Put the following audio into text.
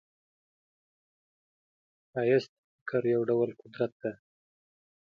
ښایست د فکر یو ډول قدرت دی